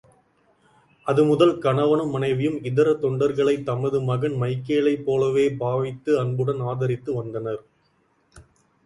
அதுமுதல் கணவனும், மனைவியும் இதர தொண்டர்களைத் தமது மகன் மைக்கேலைப் போலவே பாவித்து அன்புடன் ஆதரித்து வந்தனர்.